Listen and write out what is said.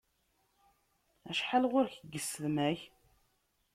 Acḥal ɣur-k n yisetma-k?